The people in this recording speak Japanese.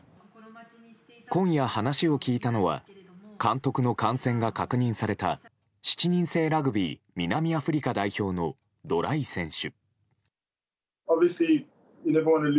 今夜、話を聞いたのは監督の感染が確認された７人制ラグビー南アフリカ代表のドライ選手。